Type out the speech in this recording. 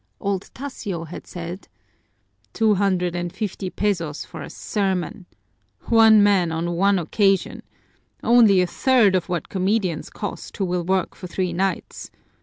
Old Tasio had said: "Two hundred and fifty pesos for a sermon! One man on one occasion! Only a third of what comedians cost, who will work for three nights!